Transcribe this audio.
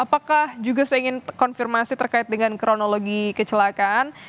apakah juga saya ingin konfirmasi terkait dengan kronologi kecelakaan